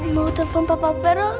mau telepon papa fero